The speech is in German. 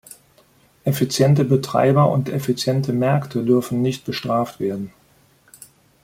Effiziente Betreiber und effiziente Märkte dürfen nicht bestraft werden.